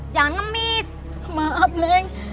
jangan ngemis maaf neng